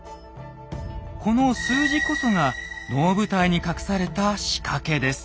この数字こそが能舞台に隠された仕掛けです。